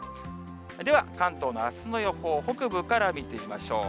では、関東のあすの予報、北部から見てみましょう。